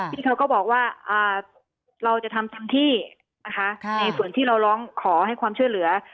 พี่เขาก็บอกว่าเราจะทำเต็มที่นะคะในส่วนที่เราร้องขอให้ความช่วยเหลือ